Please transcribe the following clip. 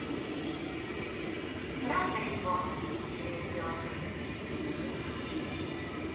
Γράφε λοιπόν, κυρ-λογιότατε, είπε.